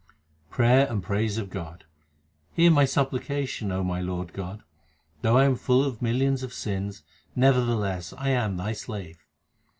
Prayer and praise of God : Hear my supplication, O my Lord God, Though I am full of millions of sins, nevertheless I am Thy slave.